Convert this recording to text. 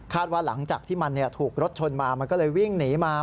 ว่าหลังจากที่มันถูกรถชนมามันก็เลยวิ่งหนีมา